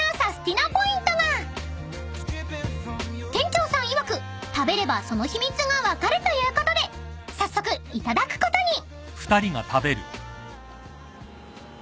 ［店長さんいわく食べればその秘密が分かるということで早速いただくことに］